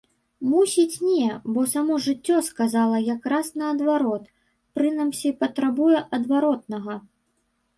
Мусіць, не, бо само жыццё сказала якраз наадварот, прынамсі, патрабуе адваротнага.